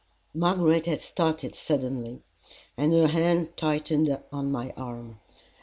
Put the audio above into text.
Margaret had started suddenly, and her hand tightened on my arm.